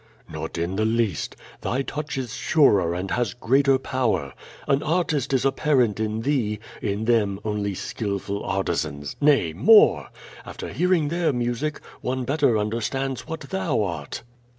'' "Not in the least. Thy touch is surer and has greater pow er. An artist is apparent in thee; in them only skillful arti sans. Nay, more! After hearing their music one better un derstands what thou art.''